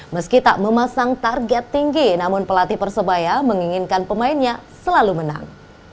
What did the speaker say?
meski tak memasang target tinggi namun pelatih persebaya menginginkan pemainnya selalu menang